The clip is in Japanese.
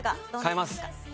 変えます。